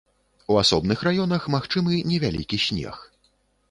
У асобных раёнах магчымы невялікі снег.